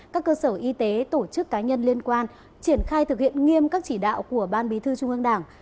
các cơ sở y tế tổ chức cá nhân liên quan triển khai thực hiện nghiêm các chỉ đạo của ban bí thư trung ương đảng